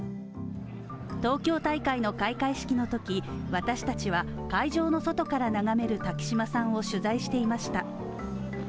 東京大会の開会式のとき私たちは会場の外から眺める滝島さんを取材していました。